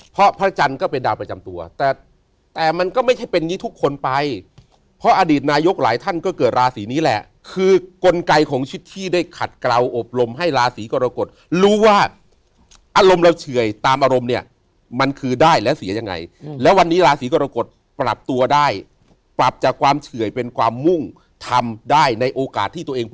เพราะพระจันทร์ก็เป็นดาวประจำตัวแต่แต่มันก็ไม่ใช่เป็นอย่างนี้ทุกคนไปเพราะอดีตนายกหลายท่านก็เกิดราศีนี้แหละคือกลไกของชิดที่ได้ขัดกล่าวอบรมให้ราศีกรกฎรู้ว่าอารมณ์เราเฉื่อยตามอารมณ์เนี่ยมันคือได้แล้วเสียยังไงแล้ววันนี้ราศีกรกฎปรับตัวได้ปรับจากความเฉื่อยเป็นความมุ่งทำได้ในโอกาสที่ตัวเองพ